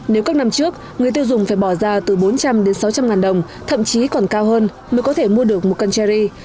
nếu các năm trước người tiêu dùng phải bỏ ra từ bốn trăm linh đến sáu trăm linh ngàn đồng thậm chí còn cao hơn mới có thể mua được một cân cherry